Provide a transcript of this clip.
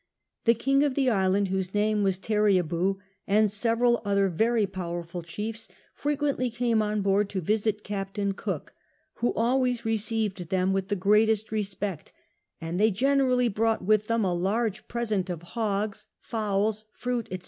Tlie king of the island, whose name was Terriaboo, and several oilier very powerful chiefs, fretpiently came on board to visit Captain Cook, wlio always received them with the greatest resjicct ; they generally brought with them a large present of hogs, fowls, fruit, etc.